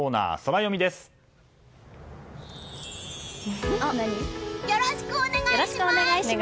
よろしくお願いします！